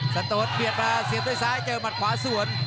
สโตนเบียดมาเสียบด้วยซ้ายเจอหมัดขวาสวน